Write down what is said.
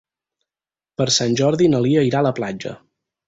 Per Sant Jordi na Lia irà a la platja.